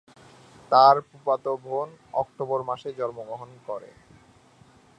তার ফুফাতো বোন অক্টোবর মাসে জন্মগ্রহণ করে।